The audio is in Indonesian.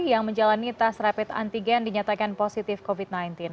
yang menjalani tes rapid antigen dinyatakan positif covid sembilan belas